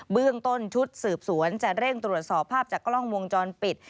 เบื้องต้นชุดสืบสวนจะเร่งตรวจสอบภาพจากกล้องวงจรปิด